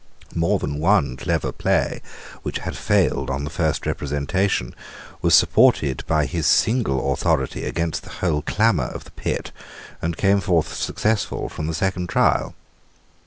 More than one clever play which had failed on the first representation was supported by his single authority against the whole clamour of the pit, and came forth successful from the second trial.